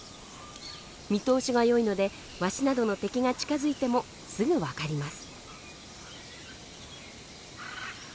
見通しがよいのでワシなどの敵が近づいてもすぐ分かります。